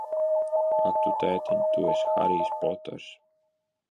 Ak, tu tētiņ, tu esi Harijs Poters!